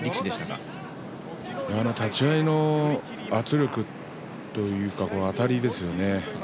立ち合いの圧力というかあたりですよね。